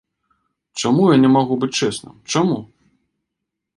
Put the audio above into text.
Чаму я не магу быць чэсным, чаму?